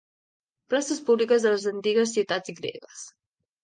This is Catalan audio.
Places públiques de les antigues ciutats gregues.